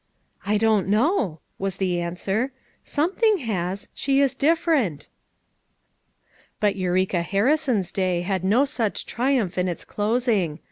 "I don't know," was the answer. "Some thing has; she is different." But Eureka Harrison's day had no such triumph in its closing.